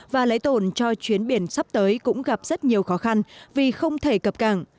và lễ tổn cho chuyến biển sắp tới cũng gặp rất nhiều khó khăn vì không thể cập cảng